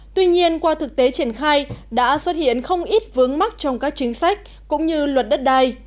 tuy nhiên qua thực tế triển khai đã xuất hiện không ít vướng mắt trong các chính sách cũng như luật đất đai